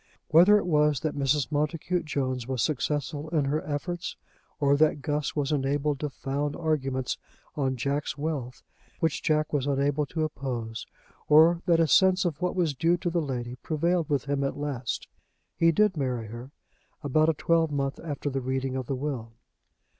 Whether it was that Mrs. Montacute Jones was successful in her efforts, or that Guss was enabled to found arguments on Jack's wealth which Jack was unable to oppose, or that a sense of what was due to the lady prevailed with him at last, he did marry her about a twelvemonth after the reading of the will.